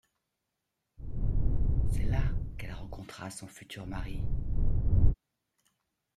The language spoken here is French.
C'est là qu'elle rencontra son futur mari.